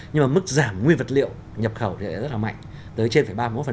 nhưng mà mức giảm nguyên vật liệu nhập khẩu thì rất là mạnh tới trên ba mươi một